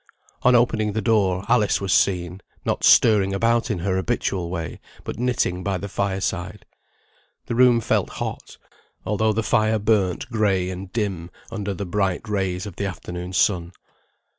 On opening the door, Alice was seen, not stirring about in her habitual way, but knitting by the fire side. The room felt hot, although the fire burnt gray and dim, under the bright rays of the afternoon sun. Mrs.